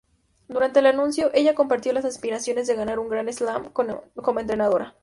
Durante el anuncio, ella compartió las aspiraciones de ganar un Grand Slam como entrenadora.